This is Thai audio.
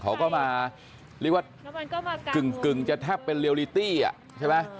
เขาก็มาเรียกว่ากึ่งจะแทบเป็นเรียลิตี้อ่ะใช่ไหม